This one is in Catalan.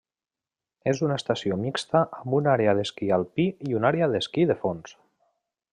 És una estació mixta amb una àrea d'esquí alpí i una àrea d'esquí de fons.